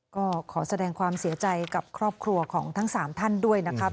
ก็ขอแสดงความเสียใจกับครอบครัวของทั้ง๓ท่านด้วยนะครับ